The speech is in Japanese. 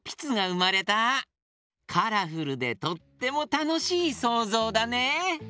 カラフルでとってもたのしいそうぞうだね。